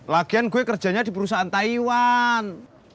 lagian gue kerjanya di perusahaan taiwan